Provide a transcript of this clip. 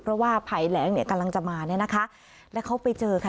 เพราะว่าภัยแรงเนี่ยกำลังจะมาเนี่ยนะคะแล้วเขาไปเจอค่ะ